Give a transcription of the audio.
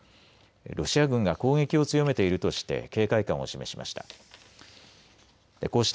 ロシア軍が攻撃を強めているとして警戒感を示しました。